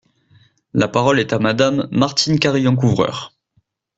La parole est à Madame Martine Carrillon-Couvreur.